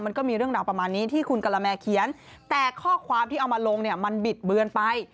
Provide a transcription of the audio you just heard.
มันก็มีเรื่องราวประมาณนี้ที่คุณกะละแมเขียนแต่ข้อความที่เอามาลงเนี่ยมันบิดเบือนไป